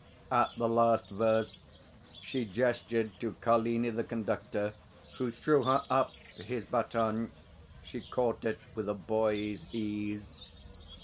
At the last verse she gestured to Carlini the conductor, who threw her up his baton. She caught it with a boy's ease.